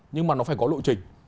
nhưng mà nó phải có lộ trình